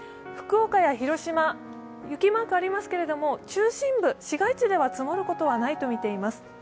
福岡や広島、雪マークありますけれども中心部、市街地では積もることはないと見ています。